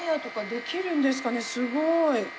すごい。